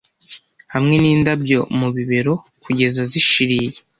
Hamwe n'indabyo mu bibero kugeza zishiriye,